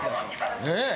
ねえ！